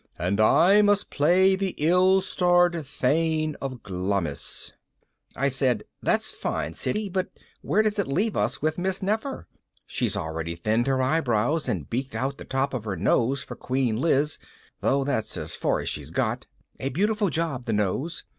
"And I must play the ill starred Thane of Glamis." I said, "That's fine, Siddy, but where does it leave us with Miss Nefer? She's already thinned her eyebrows and beaked out the top of her nose for Queen Liz, though that's as far as she's got. A beautiful job, the nose.